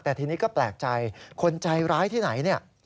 แต่ทีนี้ก็แปลกใจคนใจร้ายที่ไหนเนี่ย